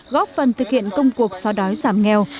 góp phần thực hiện công cuộc xóa đói giảm nghèo